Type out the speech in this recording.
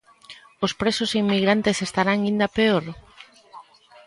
Os presos inmigrantes estarán inda peor?